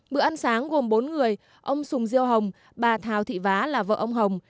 bữa ăn sáng gồm bốn người ông sùng diêu hồng bà thào thị vá là vợ ông hồng